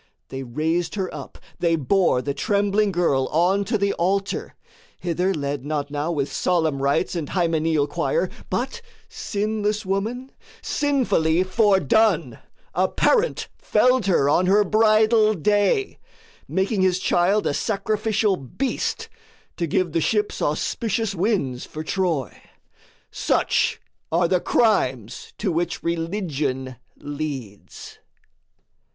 They raised her up, they bore the trembling girl On to the altar hither led not now With solemn rites and hymeneal choir, But sinless woman, sinfully foredone, A parent felled her on her bridal day, Making his child a sacrificial beast To give the ships auspicious winds for Troy: Such are the crimes to which Religion leads.